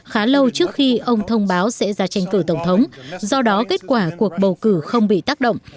khá lâu trước khi ông thông báo sẽ ra tranh cử tổng thống do đó kết quả cuộc bầu cử không bị tác động